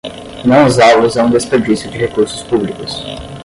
Não usá-los é um desperdício de recursos públicos.